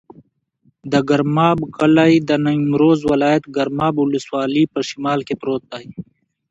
د ګرماب کلی د نیمروز ولایت، ګرماب ولسوالي په شمال کې پروت دی.